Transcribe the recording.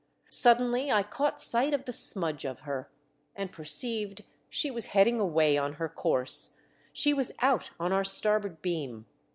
Suddenly I caught sight of the smudge of her, and perceived she was heading away on her course; she was out on our starboard beam.